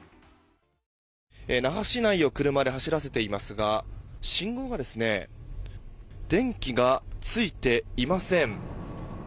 那覇市内を車で走らせていますが信号が電気がついていません。